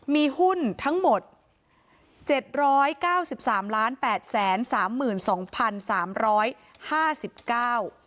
มีหุ้นทั้งหมดเจ็ดร้อยเก้าสิบสามล้านแปดแสนสามหมื่นสองพันสามร้อยห้าสิบเก้า